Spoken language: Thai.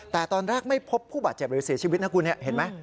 แต่ตอนแรกไม่พบผู้บาดเจ็บหรือเสียชีวิตนะครับ